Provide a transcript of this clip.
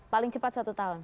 paling cepat satu tahun